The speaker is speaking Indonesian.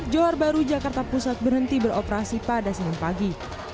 johar baru jakarta pusat berhenti beroperasi pada senin pagi